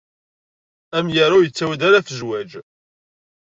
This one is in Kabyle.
Amyaru yettawi-d ala ɣef zzwaǧ.